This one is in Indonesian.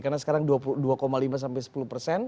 karena sekarang dua lima sampai sepuluh persen